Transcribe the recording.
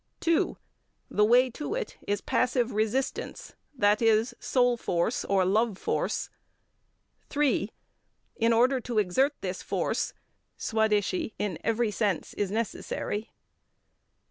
2. The way to it is passive resistance: that is soul force or love force. 3. In order to exert this force, Swadeshi in every sense is necessary.